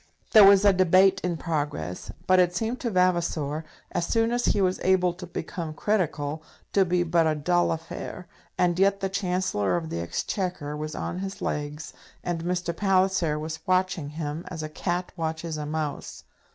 There was a debate in progress, but it seemed to Vavasor, as soon as he was able to become critical, to be but a dull affair, and yet the Chancellor of the Exchequer was on his legs, and Mr. Palliser was watching him as a cat watches a mouse.